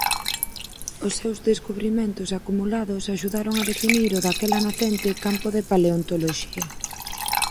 Os seus descubrimentos acumulados axudaron a definir o daquela nacente campo da paleontoloxía.